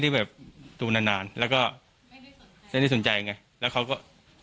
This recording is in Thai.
ใส่เสื้อผ้าอะไรอย่างนั้น